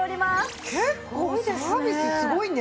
結構サービスすごいね。